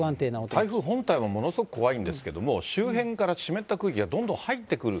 台風本体もものすごく怖いんですけど、周辺から湿った空気がどんどん入ってくる。